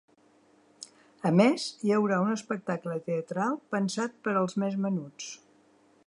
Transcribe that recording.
A més, hi haurà un espectacle teatral pensat per als més menuts.